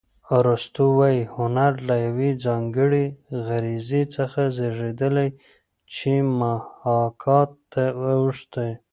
ارستو وايي هنر له یوې ځانګړې غریزې څخه زېږېدلی چې محاکات ته اوښتې